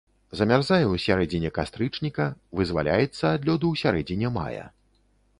Замярзае ў сярэдзіне кастрычніка, вызваляецца ад лёду ў сярэдзіне мая.